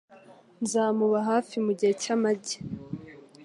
nzamuba hafi mu gihe cy’amage